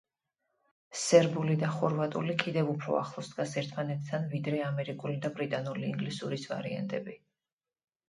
სერბული და ხორვატული კიდევ უფრო ახლოს დგას ერთმანეთთან ვიდრე ამერიკული და ბრიტანული ინგლისურის ვარიანტები.